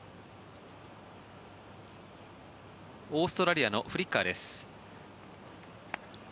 オーストラリアのフリッカーです。